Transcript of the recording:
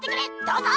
どうぞ！